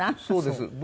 そうです。